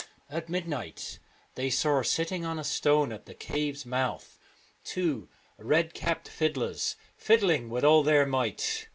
At midnight they saw sitting on a stone at the cave's mouth two red capped fiddlers fiddling with all their might.